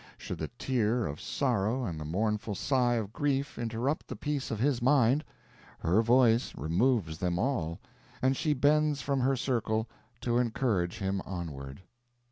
Should the tear of sorrow and the mournful sigh of grief interrupt the peace of his mind, her voice removes them all, and she bends from her circle to encourage him onward.